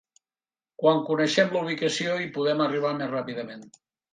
Quan coneixem la ubicació, hi podem arribar més ràpidament.